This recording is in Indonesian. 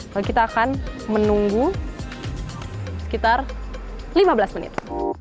lalu kita akan menunggu sekitar lima belas menit